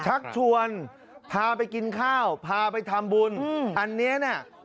ชักชวนพาไปกินข้าวพาไปทำบุญอันเนี้ย